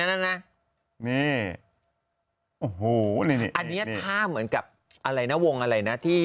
อันนี้ท่าเหมือนกับวงอะไรนะ